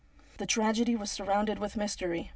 The tragedy was surrounded with mystery.